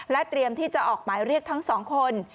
เตรียมที่จะออกหมายเรียกทั้งสองคน